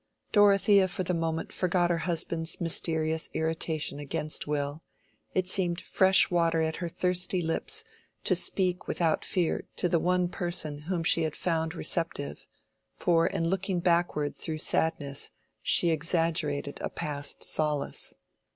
Dorothea for the moment forgot her husband's mysterious irritation against Will: it seemed fresh water at her thirsty lips to speak without fear to the one person whom she had found receptive; for in looking backward through sadness she exaggerated a past solace.